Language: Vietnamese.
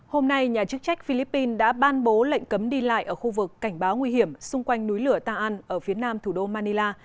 hôm nay nhà chức trách philippines đã ban bố lệnh cấm đi lại ở khu vực cảnh báo nguy hiểm xung quanh núi lửa ta an ở phía nam thủ đô manila